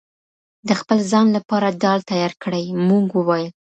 د خپل ځان لپاره ډال تيار کړئ!! مونږ وويل: